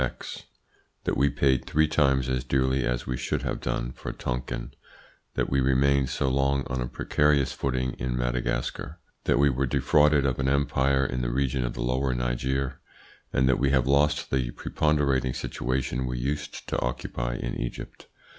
X that we paid three times as dearly as we should have done for Tonkin, that we remained so long on a precarious footing in Madagascar, that we were defrauded of an empire in the region of the Lower Niger, and that we have lost the preponderating situation we used to occupy in Egypt.